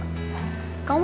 seperti kata kota